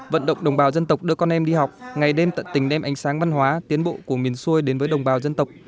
vận động đồng bào dân tộc đưa con em đi học ngày đêm tận tình đem ánh sáng văn hóa tiến bộ của miền xuôi đến với đồng bào dân tộc